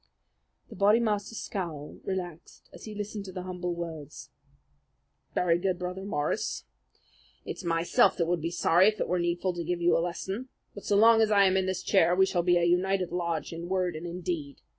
The Bodymaster's scowl relaxed as he listened to the humble words. "Very good, Brother Morris. It's myself that would be sorry if it were needful to give you a lesson. But so long as I am in this chair we shall be a united lodge in word and in deed.